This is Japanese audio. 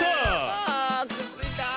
あくっついた！